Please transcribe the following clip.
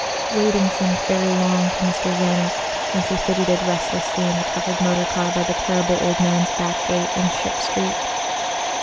Waiting seemed very long to Mr. Czanek as he fidgeted restlessly in the covered motor car by the Terrible Old Man's back gate in Ship Street.